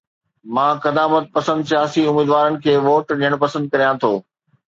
مان قدامت پسند سياسي اميدوارن کي ووٽ ڏيڻ پسند ڪريان ٿو